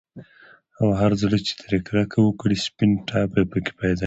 او هر زړه چي ترې كركه وكړي، سپين ټاپى په كي راپيدا شي